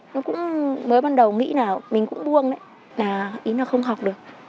nó cũng mới ban đầu nghĩ là mình cũng buông đấy là ý là không học được